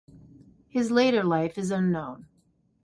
His later life is unknown.